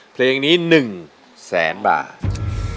เพลงนี้๑แสนบาท